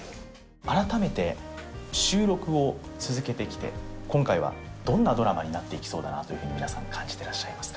改めて収録を続けてきて今回はどんなドラマになっていきそうだなというふうに皆さん感じてらっしゃいますか？